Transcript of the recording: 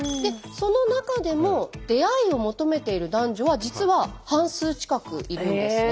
その中でも出会いを求めている男女は実は半数近くいるんですね。